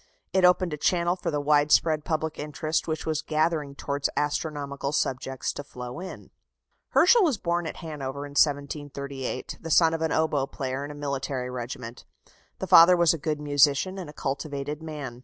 It opened a channel for the widespread public interest which was gathering towards astronomical subjects to flow in." Herschel was born at Hanover in 1738, the son of an oboe player in a military regiment. The father was a good musician, and a cultivated man.